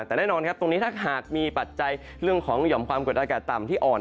แต่แน่นอนครับตรงนี้ถ้าหากมีปัจจัยเรื่องของหย่อมความกดอากาศต่ำที่อ่อน